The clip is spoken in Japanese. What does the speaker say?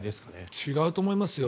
違うと思いますよ。